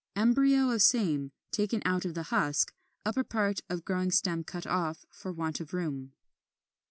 Embryo of same, taken out of the husk; upper part of growing stem cut off, for want of room.